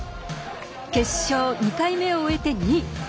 決勝、２回目を終えて２位。